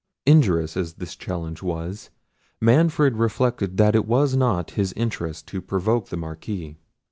Injurious as this challenge was, Manfred reflected that it was not his interest to provoke the Marquis.